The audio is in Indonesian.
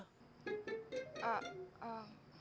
saya diusir dari rumah pak